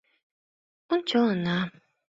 — Ончалына.